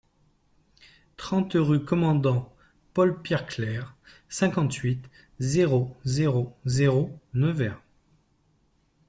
trente rue Commandant Paul Pierre Clerc, cinquante-huit, zéro zéro zéro, Nevers